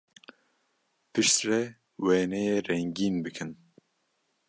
Piştre wêneyê rengîn bikin.